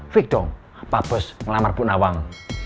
fik dong pak bos ngelamar ibu nawang